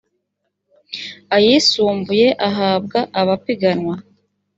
ayisumbuye ahabwa abapiganwa